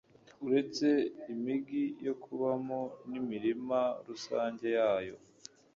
uretse imigi yo kubamo n'imirima rusange yayo